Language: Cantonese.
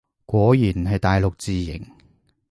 果然係大陸字形